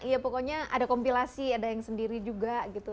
iya pokoknya ada kompilasi ada yang sendiri juga gitu